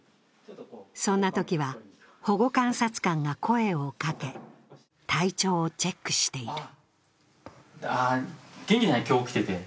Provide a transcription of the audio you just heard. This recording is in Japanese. そんなときは、保護観察官が声をかけ、体調をチェックしている。